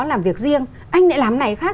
làm việc riêng anh lại làm này khác